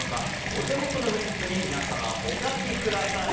お手元のフリップに皆様、お書きください。